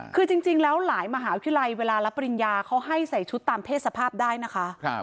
คือจริงแล้วหลายมหาวิทยาลัยเวลารับปริญญาเขาให้ใส่ชุดตามเพศสภาพได้นะคะ